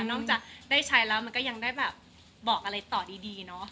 นอกจากได้ใช้แล้วมันก็ยังได้แบบบอกอะไรต่อดีเนอะ